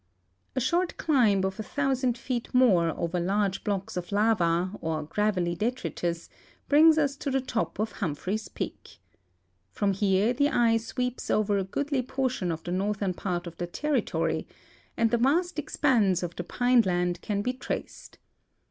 A short climb of a thousand feet more over large blocks of lava or gravelly detritus brings us to the top of Humphrey's peak. From here the eye sweeps over a goodly portion of the northern part of the territory, and the vast expanse of the pine land can be traced.